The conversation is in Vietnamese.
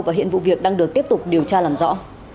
và hiện vụ việc đang được tiếp tục điều tra làm rõ